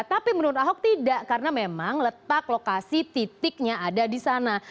tapi menurut ahok tidak karena memang letak lokasi titiknya ada di sana